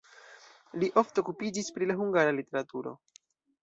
Li ofte okupiĝis pri la hungara literaturo.